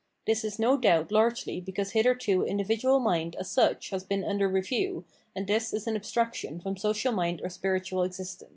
This is no doubt largely because hitherto individual mind as such has been under review, and this is an abstraction from social mind or spiritual existence.